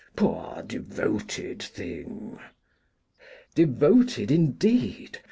Poor devoted thing!' 'Devoted, indeed!